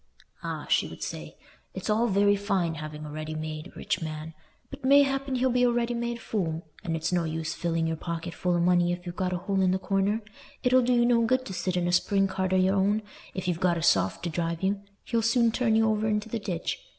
"Ah," she would say, "it's all very fine having a ready made rich man, but mayhappen he'll be a ready made fool; and it's no use filling your pocket full o' money if you've got a hole in the corner. It'll do you no good to sit in a spring cart o' your own, if you've got a soft to drive you: he'll soon turn you over into the ditch.